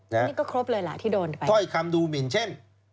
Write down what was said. นี่ก็ครบเลยล่ะที่โดนไปถ้อยคำดูหมินเช่น